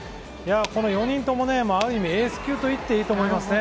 この４人とも、ある意味エース級といっていいと思います。